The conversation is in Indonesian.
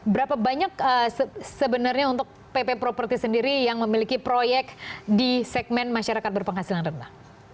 berapa banyak sebenarnya untuk pp properti sendiri yang memiliki proyek di segmen masyarakat berpenghasilan rendah